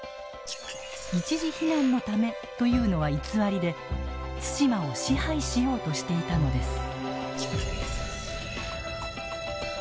一時避難のためというのは偽りで対馬を支配しようとしていたのです。